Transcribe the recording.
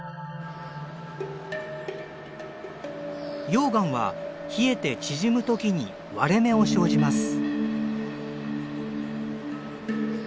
溶岩は冷えて縮む時に割れ目を生じます。